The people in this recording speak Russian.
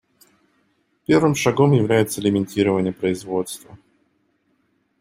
Первым шагом является лимитирование производства.